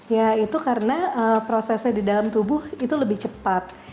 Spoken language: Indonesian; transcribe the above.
ya itu karena prosesnya di dalam tubuh itu lebih cepat